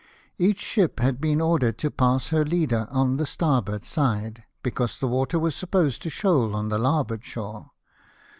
Each ship had been ordered to pass her leader on the starboard side, because the water was supposed to shoal on the larboard shore.